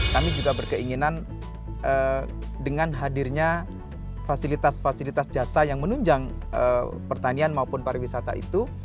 kami juga berkeinginan dengan hadirnya fasilitas fasilitas jasa yang menunjang pertanian maupun pariwisata itu